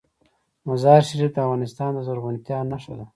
مزارشریف د افغانستان د زرغونتیا نښه ده.